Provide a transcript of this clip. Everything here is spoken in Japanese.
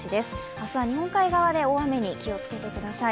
明日は日本海側で大雨に気をつけてください。